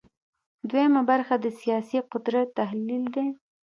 دویمه برخه د سیاسي قدرت تحلیل دی.